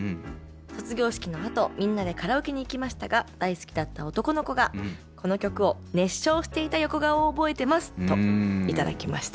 卒業式のあとみんなでカラオケに行きましたが大好きだった男の子がこの曲を熱唱していた横顔を覚えてます」と頂きました。